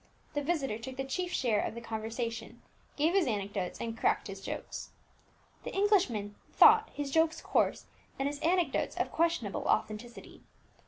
The visitor took the chief share of the conversation, gave his anecdotes, and cracked his jokes. The Englishmen thought his jokes coarse, and his anecdotes of questionable authenticity.